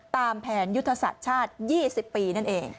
ตามแผนยุทธศาสตร์ชาติ๒๐ปีนั่นเอง